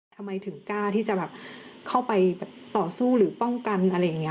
ทำไมถึงกล้าที่จะแบบเข้าไปต่อสู้หรือป้องกันอะไรอย่างนี้